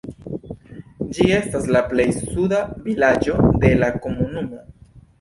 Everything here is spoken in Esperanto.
Ĝi estas la plej suda vilaĝo de la komunumo.